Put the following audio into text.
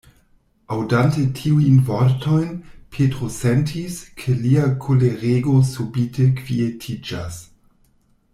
Aŭdante tiujn vortojn, Petro sentis, ke lia kolerego subite kvietiĝas.